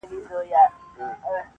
چي فکرونه د نفاق پالي په سر کي-